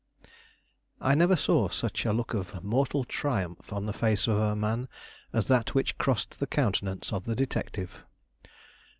I never saw such a look of mortal triumph on the face of a man as that which crossed the countenance of the detective.